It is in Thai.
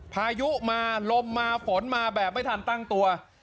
พายุมาลมมาฝนมาแบบไม่ทันตั้งตัว